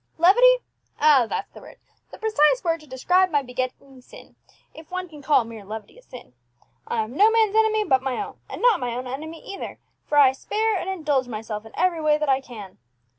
Levity? Ah, that's the word, the precise word to describe my besetting sin, if one can call mere levity a sin. I am no man's enemy but my own; and not my own enemy either, for I spare and indulge myself in every way that I can.